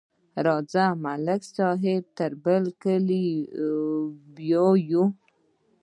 راځه، ملک صاحب تر برکلي بیایو.